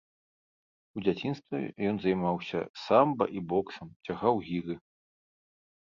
У дзяцінстве ён займаўся самба і боксам, цягаў гіры.